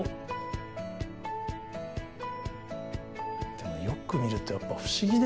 でもよく見るとやっぱ不思議ですよね。